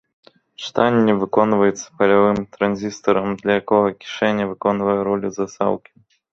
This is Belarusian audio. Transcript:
Чытанне выконваецца палявым транзістарам, для якога кішэня выконвае ролю засаўкі.